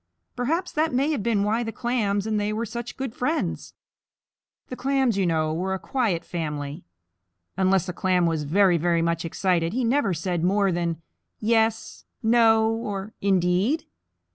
Perhaps that may have been why the Clams and they were such good friends. The Clams, you know, were a quiet family. Unless a Clam was very, very much excited, he never said more than "Yes," "No," or "Indeed?"